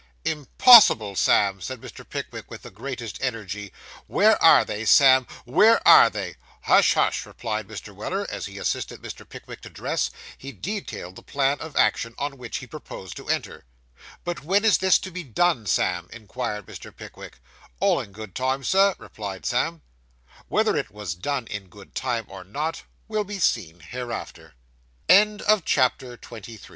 'Impossible, Sam!' said Mr. Pickwick, with the greatest energy. 'Where are they, Sam: where are they?' 'Hush, hush!' replied Mr. Weller; and as he assisted Mr. Pickwick to dress, he detailed the plan of action on which he proposed to enter. 'But when is this to be done, Sam?' inquired Mr. Pickwick. 'All in good time, Sir,' replied Sam. Whether it was done in good time, or not, will be seen hereafter. CHAPTER XXIV.